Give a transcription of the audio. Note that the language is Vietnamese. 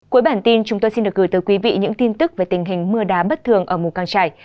cuối bản tin chúng tôi xin được gửi tới quý vị những tin tức về tình hình mưa đá bất thường ở mù căng trải